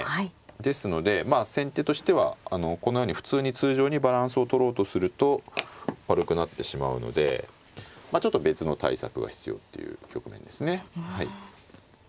ですのでまあ先手としてはこのように普通に通常にバランスをとろうとすると悪くなってしまうのでちょっと別の対策が必要っていう局面ですね。